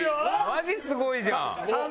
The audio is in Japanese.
マジすごいじゃん！